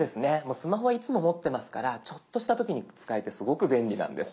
スマホはいつも持ってますからちょっとした時に使えてすごく便利なんです。